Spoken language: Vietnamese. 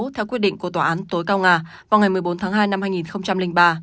theo quyết định của tòa án tối cao nga vào ngày một mươi bốn tháng hai năm hai nghìn ba